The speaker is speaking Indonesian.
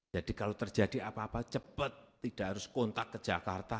kalau terjadi apa apa cepat tidak harus kontak ke jakarta